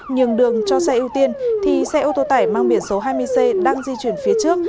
nhường đường cho xe ưu tiên thì xe ô tô tải mang biển số hai mươi c đang di chuyển phía trước